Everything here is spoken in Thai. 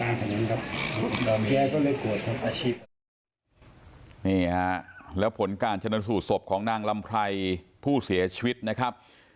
นี่ฮะแล้วผลการชนสูตรศพของนางลำไพรผู้เสียชีวิตนะครับ